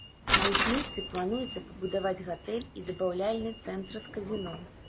На іх месцы плануецца пабудаваць гатэль і забаўляльны цэнтр з казіно.